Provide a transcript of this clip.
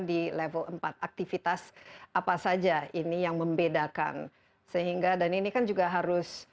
di level empat aktivitas apa saja ini yang membedakan sehingga dan ini kan juga harus jelas ya karena ini